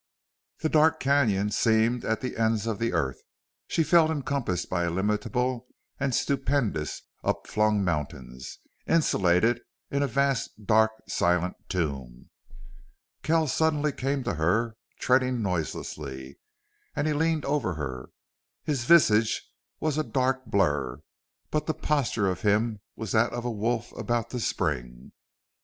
This dark canon seemed at the ends of the earth. She felt encompassed by illimitable and stupendous upflung mountains, insulated in a vast, dark, silent tomb. Kells suddenly came to her, treading noiselessly, and he leaned over her. His visage was a dark blur, but the posture of him was that of a wolf about to spring.